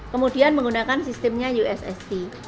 kemudian menggunakan sistemnya ussc